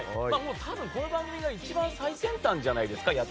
多分、この番組が一番最先端じゃないですか。